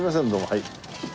はい。